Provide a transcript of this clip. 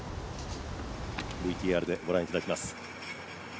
ＶＴＲでご覧いただきます。